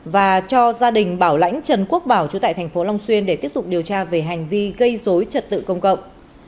và cho gia đình bảo lãnh trần quốc bảo chú tại tp long xuyên để tiếp tục điều tra về hành vi gây dối trật tự công cộng